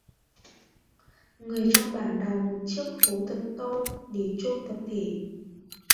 Người trong bản đào một chiếc hố thật to để chôn tập thể